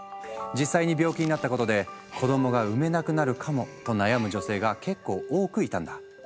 実際に病気になったことで子どもが産めなくなるかもと悩む女性が結構多くいたんだ。